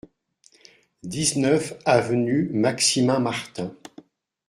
dix-neuf avenue Maximin Martin